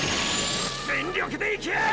全力で行け！